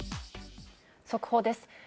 速報です。